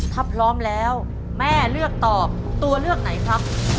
ถ้าพร้อมแล้วแม่เลือกตอบตัวเลือกไหนครับ